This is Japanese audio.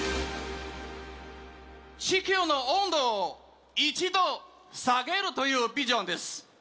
地球の温度を１度下げるというビジョンです。